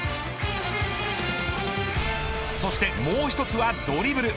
そしてもう１つはドリブル。